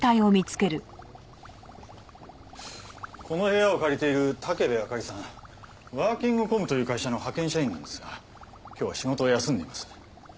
この部屋を借りている武部あかりさんワーキングコムという会社の派遣社員なんですが今日は仕事を休んでいます。